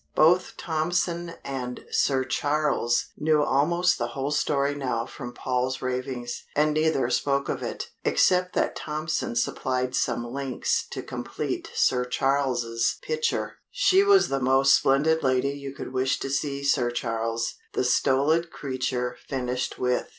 Both Tompson and Sir Charles knew almost the whole story now from Paul's ravings, and neither spoke of it except that Tompson supplied some links to complete Sir Charles' picture. "She was the most splendid lady you could wish to see, Sir Charles," the stolid creature finished with.